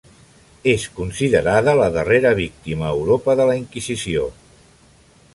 És considerada la darrera víctima a Europa de la Inquisició.